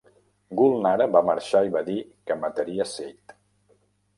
Gulnara va marxar i va dir que mataria Seid.